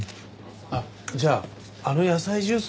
あっじゃああの野菜ジュース